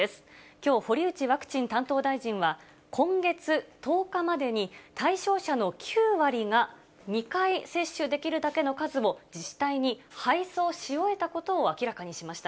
きょう、堀内ワクチン担当大臣は、今月１０日までに、対象者の９割が２回接種できるだけの数を自治体に配送し終えたことを明らかにしました。